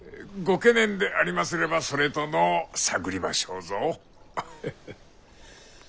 ご懸念でありますればそれとのう探りましょうぞ。フッフ。